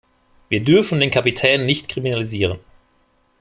Wir dürfen den Kapitän nicht kriminalisieren.